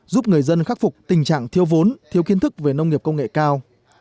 giúp người dân khắc phục tình trạng thiếu vốn thiếu kiến thức về nông nghiệp công nghệ cao